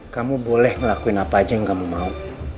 kamu boleh ngelakuin apa aja yang kamu mau